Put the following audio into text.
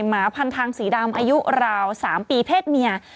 หมาพันทางสีดำอายุราว๓ปีเพศเมีย